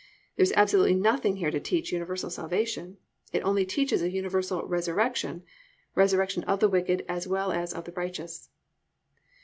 There is absolutely nothing here to teach universal salvation. It only teaches a universal resurrection, resurrection of the wicked as well as of the righteous.